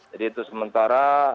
jadi itu sementara